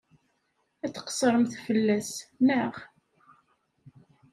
Ad tqeṣṣremt fell-as, naɣ?